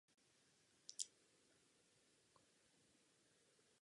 Nancy je také pátým největším univerzitním městem Francie.